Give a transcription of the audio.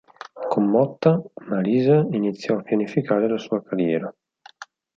Con Motta, Marisa iniziò a pianificare la sua carriera.